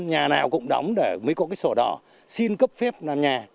nhà nào cũng đóng để mới có cái sổ đỏ xin cấp phép làm nhà